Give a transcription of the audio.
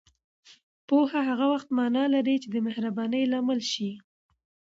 پوهه هغه وخت معنا لري چې دمهربانۍ لامل شي